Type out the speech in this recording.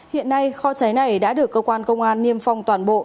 hiện nay kho cháy này đã được cơ quan công an niêm phong toàn bộ